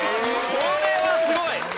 これはすごい！